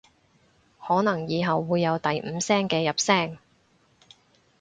可能以後會有第五聲嘅入聲